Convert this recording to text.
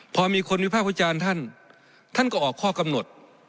พอมีคนวิพากษ์วิจารณ์ท่านท่านก็ออกข้อกำหนด